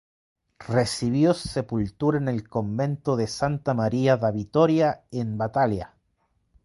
Recibió sepultura en el convento de Santa María da Vitoria en Batalha.